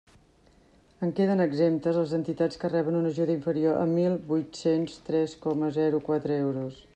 En queden exemptes les entitats que reben una ajuda inferior a mil huit-cents tres coma zero quatre euros.